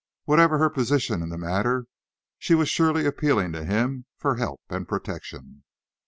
Whatever her position in the matter, she was surely appealing to him for help and protection.